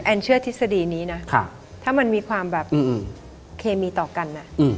เชื่อทฤษฎีนี้นะถ้ามันมีความแบบเคมีต่อกัน